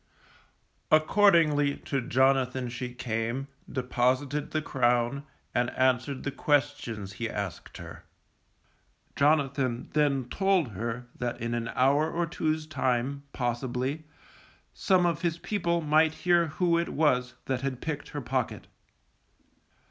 Accordingly to Jonathan she came, deposited the crown, and answered the questions she asked him. Jonathan then told her that in an hour or two's time, possibly, some of his people might hear who it was that had picked her pocket.